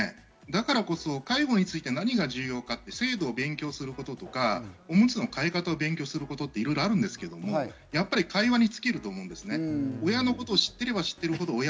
だからこそ介護について何が重要かって、制度を勉強することとか、おむつの替え方を勉強することっていろいろあるんですけれども、やっぱり会話に尽きると思います。